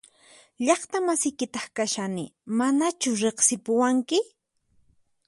Llaqta masiykitaq kashani ¿Manachu riqsipuwanki?